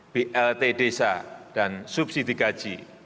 blt desa dan subsidi gaji